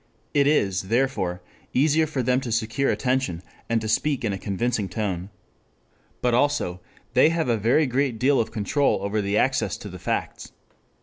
It is, therefore, easier for them to secure attention and to speak in a convincing tone. But also they have a very great deal of control over the access to the facts.